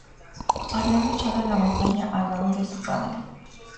Había luchado en la batalla al lado de su padre.